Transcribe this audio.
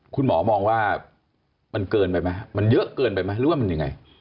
คุณหมอมองว่ามันเกินไปไหมมันเยอะเกินไปไหมหรือว่ามันยังไง